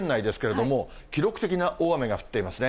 特に鳥取県内ですけれども、記録的な大雨が降っていますね。